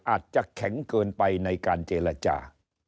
อาจจะแข็งเกินไปในการเจรจา